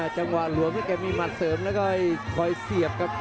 จังหวะหลวมแกมีหมัดเสริมแล้วก็คอยเสียบครับ